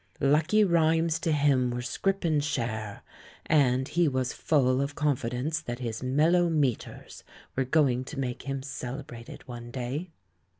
"Lucky rhymes to him were scrip and share," and he was full of confidence that his "mellow metres" were going to make him celebrated one day.